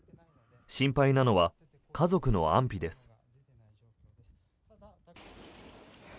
心配なのは家族の安否です。